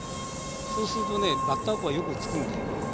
そうするとねバッター粉がよくつくんで。